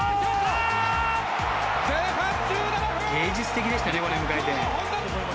芸術的でしたねこれ。